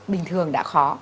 bình thường đã khó